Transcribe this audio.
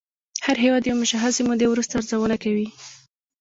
هر هېواد د یوې مشخصې مودې وروسته ارزونه کوي